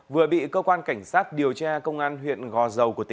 vừa bị cơ quan cảnh sát điều tra công an huyện gò dầu của tỉnh